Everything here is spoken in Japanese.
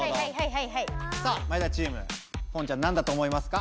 さあ前田チームポンちゃん何だと思いますか？